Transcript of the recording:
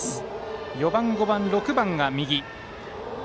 ４番、５番、６番が右。